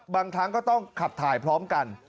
บางครั้งก็ต้องขับถ่ายพร้อมกัน